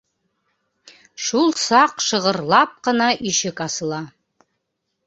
Шул саҡ шығырлап ҡына ишек асыла.